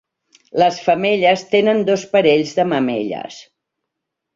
Les femelles tenen dos parells de mamelles.